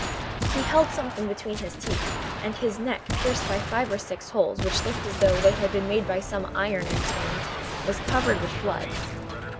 He held something between his teeth, and his neck, pierced by five or six holes which looked as though they had been made by some iron instrument, was covered with blood.